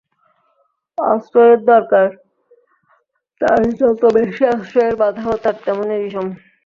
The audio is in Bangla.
আশ্রয়ের দরকার তার যত বেশি আশ্রয়ের বাধাও তার তেমনি বিষম।